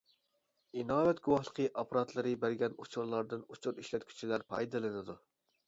ئىناۋەت گۇۋاھلىقى ئاپپاراتلىرى بەرگەن ئۇچۇرلاردىن ئۇچۇر ئىشلەتكۈچىلەر پايدىلىنىدۇ.